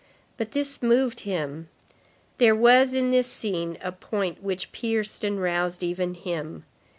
But this moved him. There was in this scene a point which pierced and roused even him.